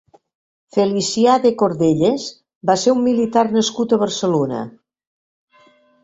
Felicià de Cordelles va ser un militar nascut a Barcelona.